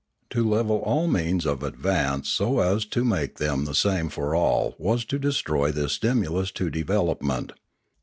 To level all means of advance so as to make them the same for all was to destroy this stimulus to development.